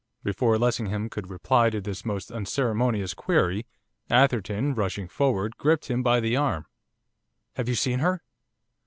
Before Lessingham could reply to this most unceremonious query, Atherton, rushing forward, gripped him by the arm. 'Have you seen her?